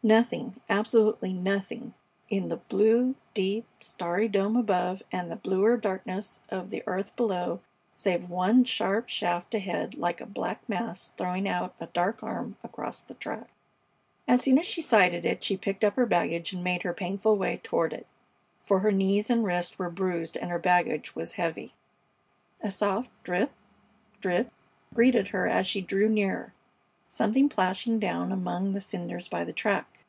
Nothing, absolutely nothing, in the blue, deep, starry dome above and the bluer darkness of the earth below save one sharp shaft ahead like a black mast throwing out a dark arm across the track. As soon as she sighted it she picked up her baggage and made her painful way toward it, for her knees and wrist were bruised and her baggage was heavy. A soft drip, drip greeted her as she drew nearer; something plashing down among the cinders by the track.